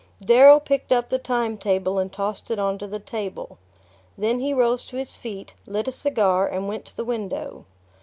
Darrow picked up the time table and tossed it on to the table. Then he rose to his feet, lit a cigar and went to the window.